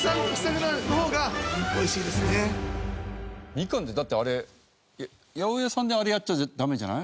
ミカンってだってあれ八百屋さんであれやっちゃダメじゃない？